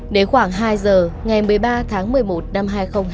đến khoảng hai giờ ngày một mươi ba tháng một mươi một năm hai nghìn hai mươi